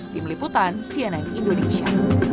tim liputan cnn indonesia